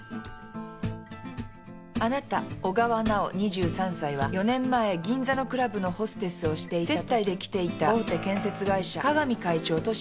「あなた小川奈緒２３歳は４年前銀座のクラブのホステスをしていたとき接待で来ていた大手建設会社加々美会長と知り合った。